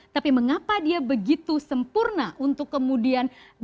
tapi mengapa dia begitu sempurna untuk kemudian